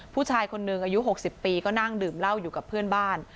ผู้ชายคนหนึ่งอายุ๖๐ปีก็นั่งดื่มเหล้าอยู่กับเพื่อนบ้าน